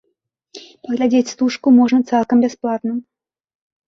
Паглядзець стужку можна цалкам бясплатна.